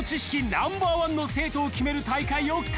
ナンバーワンの生徒を決める大会を開催］